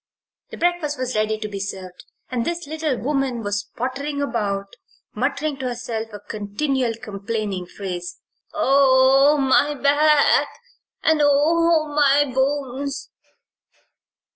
The breakfast was ready to be served and this little woman was pottering about, muttering to herself a continual complaining phrase: "Oh, my back and oh, my bones!"